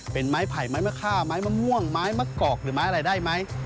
เป็นไม้ไผ่ไม้มะค่าไม้มะม่วงไม้มะกอกหรือไม้อะไรได้ไหม